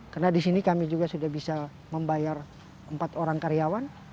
karena di sini kami juga sudah bisa membayar empat orang karyawan